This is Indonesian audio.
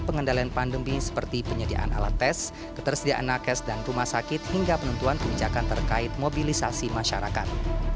pengendalian pandemi seperti penyediaan alat tes ketersediaan nakes dan rumah sakit hingga penentuan kebijakan terkait mobilisasi masyarakat